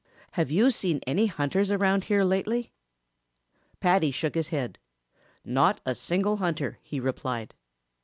Have you seen any hunters around here lately?" Paddy shook his head. "Not a single hunter," he replied.